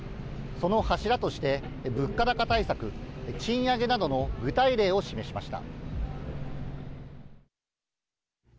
その柱として物価高対策、賃上げなどの具体例を示しました。